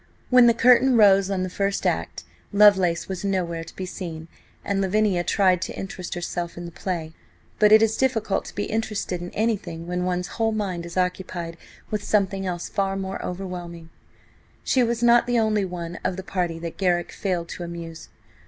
When the curtain rose on the first act, Lovelace was nowhere to be seen, and Lavinia tried to interest herself in the play. But it is difficult to be interested in anything when one's whole mind is occupied with something else far more overwhelming. She was not the only one of the party that Garrick failed to amuse.